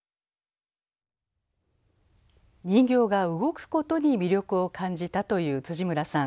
人形が動くことに魅力を感じたという村さん。